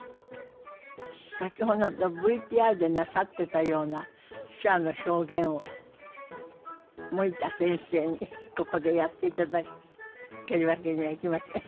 先ほどのＶＴＲでなさってたような手話の表現を森田先生にここでやっていただけるわけにはいきません？